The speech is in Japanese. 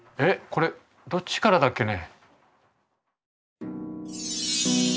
これどっちからだっけね。